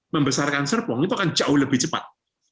membesarkan serpong itu akan jauh lebih cepat